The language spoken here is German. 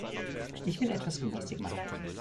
Ich will etwas Gymnastik machen.